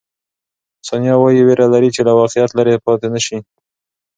ثانیه وايي، وېره لري چې له واقعیت لیرې پاتې نه شي.